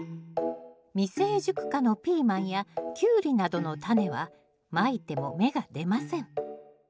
未成熟果のピーマンやキュウリなどのタネはまいても芽が出ません。